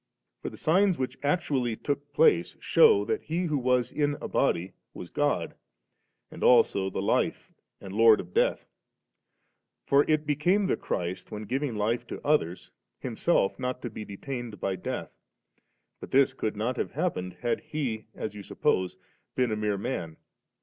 For the signs which actually took place shew that He who was in a body was God, and also the Life and Lord of death. For it became the Christ, when giving life to others. Himself not to be detained by death; but this could not have happened, had He, as you suppose, been a mere man.